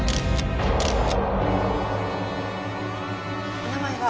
お名前は？